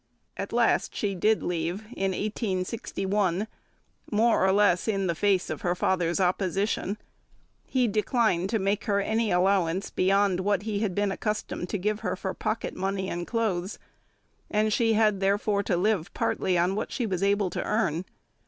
At last she did leave, in 1861, more or less in face of her father's opposition; he declined to make her any allowance beyond what he had been accustomed to give her for pocket money and clothes, and she had therefore to live partly on what she was able to earn.